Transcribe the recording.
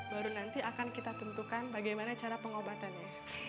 baru nanti akan kita tentukan bagaimana cara pengobatannya